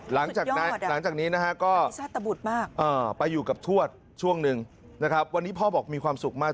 หลังจากนี้นะฮะก็บุตรมากไปอยู่กับทวดช่วงหนึ่งนะครับวันนี้พ่อบอกมีความสุขมาก